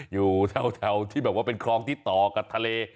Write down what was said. อยู่แถวที่แบบว่าเป็นคลองที่ต่อกับทะเล